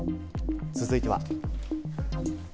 続いては。